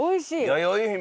やよい姫？